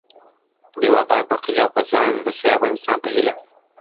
د يو اباد٬پرمختللي او په ځان بسيا افغانستان په هيله